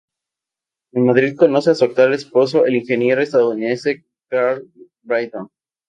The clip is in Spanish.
En Madrid conoce a su actual esposo, el ingeniero estadounidense Carl Britton.